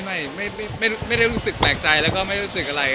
ไม่ได้รู้สึกแปลกใจแล้วก็ไม่รู้สึกอะไร